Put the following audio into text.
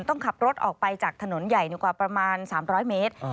ต้องขับรถออกไปจากถนนใหญ่กว่าประมาณ๓๐๐เมตร